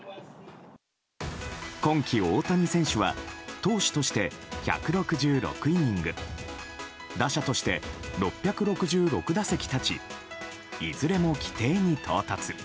今季、大谷選手は投手として１６６イニング打者として６６６打席、立ちいずれも規定に到達。